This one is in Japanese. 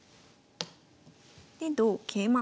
で同桂馬。